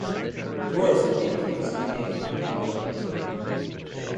Tourism increased and the economy developed.